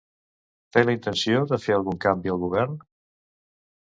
Té la intenció de fer algun canvi, el Govern?